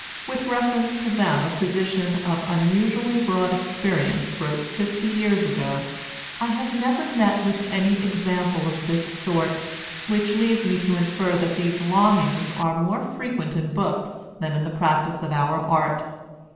With reference to them a physician of unusually broad experience wrote fifty years ago, "I have never met with any example of this sort; which leads me to infer that these longings are more frequent in books than in the practice of our art."